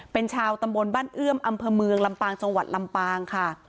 เป็นชาวตำบลบ้านเอื้อมอำเภอเมืองลำปางจังหวัดลำปางค่ะ